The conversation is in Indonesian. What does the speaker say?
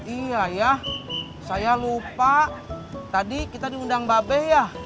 iya ya saya lupa tadi kita diundang mbak be ya